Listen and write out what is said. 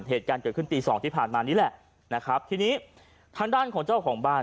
เหตุการณ์เกิดขึ้นตีสองที่ผ่านมานี่แหละนะครับทีนี้ทางด้านของเจ้าของบ้าน